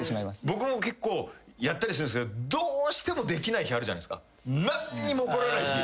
僕も結構やったりするんですけどどうしてもできない日あるじゃないですか。